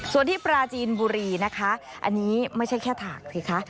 ส่วนที่ปราจีนบุรีนะคะอันนี้ไม่ใช่แค่ถากสิคะ